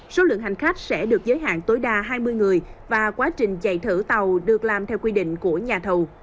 số lượng hành khách sẽ được giới hạn tối đa hai mươi người và quá trình chạy thử tàu được làm theo quy định của nhà thầu